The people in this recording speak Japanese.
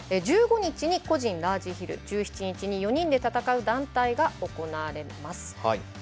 １５日に個人ラージヒル１７日に４人で戦う団体が行われます。